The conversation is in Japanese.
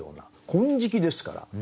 「金色」ですから。